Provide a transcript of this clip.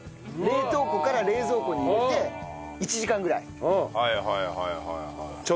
冷凍庫から冷蔵庫に入れて１時間ぐらい。